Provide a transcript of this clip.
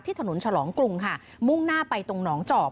ถนนฉลองกรุงค่ะมุ่งหน้าไปตรงหนองจอก